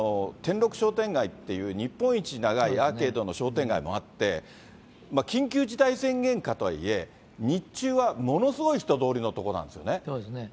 ろく商店街っていう日本一長いアーケードの商店街もあって、緊急事態宣言下とはいえ、日中はものすごい人通りの所なんですよね。